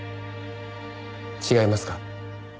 違いますか？